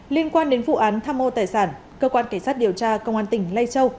liên quan đến vụ án tham mô tài sản cơ quan cảnh sát điều tra công an tỉnh lai châu